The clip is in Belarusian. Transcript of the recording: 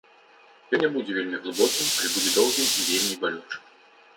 Ён не будзе вельмі глыбокім, але будзе доўгім і вельмі балючым.